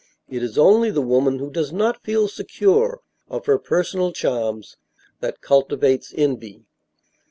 It is only the woman who does not feel secure of her personal charms that cultivates envy.